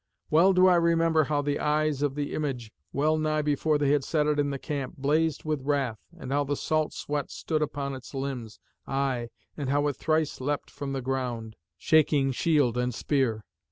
Well do I remember how the eyes of the image, well nigh before they had set it in the camp, blazed with wrath, and how the salt sweat stood upon its limbs, aye, and how it thrice leapt from the ground, shaking shield and spear.